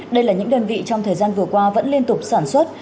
đây là những đơn vị trong thời gian vừa qua vẫn liên tục sản xuất